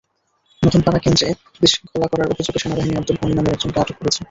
নতুনপাড়া কেন্দ্রে বিশৃঙ্খলা করার অভিযোগে সেনাবাহিনী আব্দুল গণি নামের একজনকে আটক করেছে।